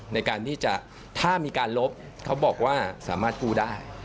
ในการที่จะถ้ามีการลบเขาบอกว่าสามารถกู้ได้